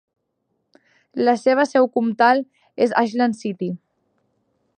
La seva seu comtal és Ashland City.